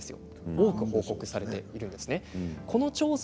多く報告されています。